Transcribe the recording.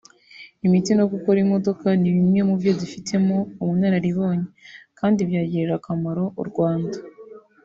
imiti no gukora imodoka ni bimwe mu byo dufitemo ubunararibonye kandi byagirira akamaro u Rwanda